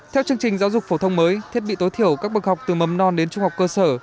theo chương trình giáo dục phổ thông mới thiết bị tối thiểu các bậc học từ mầm non đến trung học cơ sở